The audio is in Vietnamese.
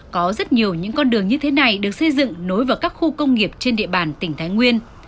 có rất nhiều những con đường như thế này được xây dựng nối vào các khu công nghiệp trên địa bàn tỉnh thái nguyên